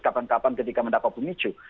kapan kapan ketika mendapat pemicu